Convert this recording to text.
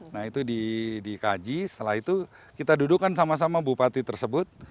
nah itu dikaji setelah itu kita dudukkan sama sama bupati tersebut